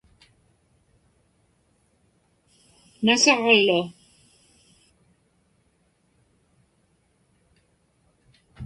nasaġlu